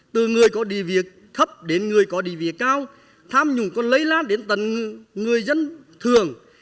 từ người có địa việc thấp đến người có địa vị cao tham nhũng còn lây lan đến tầng người dân thường